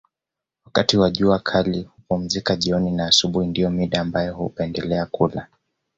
Wakati wa jua kali hupumzika jioni na asubuhi ndio mida ambayo hupendelea kula